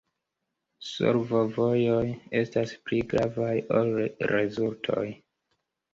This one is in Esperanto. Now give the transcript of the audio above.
Solvovojoj estas pli gravaj ol rezultoj.